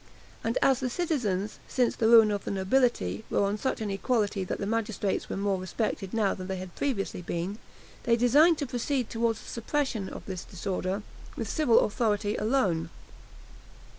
And as the citizens, since the ruin of the nobility, were on such an equality that the magistrates were more respected now than they had previously been, they designed to proceed toward the suppression of this disorder with civil authority alone.